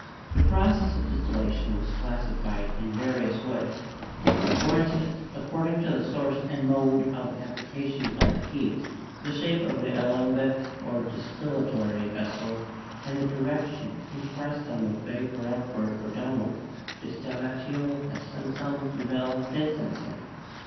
The process of dis tillation was classified in various ways; for instance, ac cording to the source and mode of application of the heat, the shape of the alembic or distillatory vessel, and the direction impressed on the vapor upward or downward ('distillatio ascensum vel decensum').